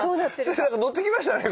先生なんかノッてきましたね。